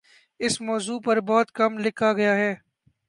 اس موضوع پر بہت کم لکھا گیا ہے